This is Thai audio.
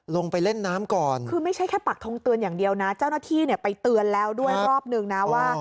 ลงไปเล่นน้ำก่อนคือไม่ใช่แค่ปักทงเตือนอย่างเดียวนะเจ้าหน้าที่เนี่ยไปเตือนแล้วด้วยรอบนึงนะว่า